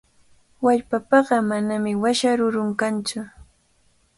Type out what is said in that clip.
Wallpapaqa manami washa rurun kantsu.